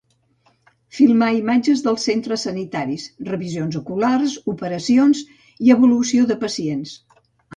Filmar imatges dels centres sanitaris, revisions oculars, operacions i evolució de pacients.